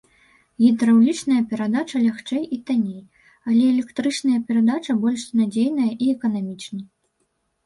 Гідраўлічная перадача лягчэй і танней, але электрычная перадача больш надзейная і эканамічней.